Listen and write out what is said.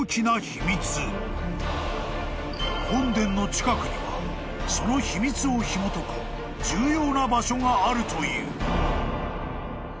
［本殿の近くにはその秘密をひもとく重要な場所があるという］